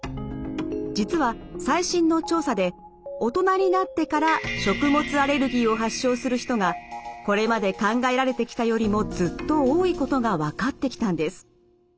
実は最新の調査で大人になってから食物アレルギーを発症する人がこれまで考えられてきたよりもずっと多いことが分かってきたんです。